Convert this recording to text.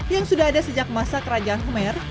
yang sudah ada sejak masa kerajaan humer